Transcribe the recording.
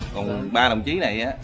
còn ba đồng chí này